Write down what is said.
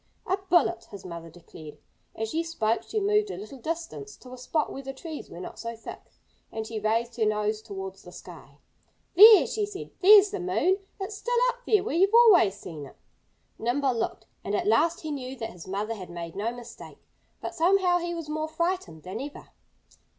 "A bullet!" his mother declared. As she spoke she moved a little distance, to a spot where the trees were not so thick. And she raised her nose towards the sky. "There!" she said. "There's the moon! It's still up there where you've always seen it." Nimble looked; and at last he knew that his mother had made no mistake. But somehow he was more frightened than ever.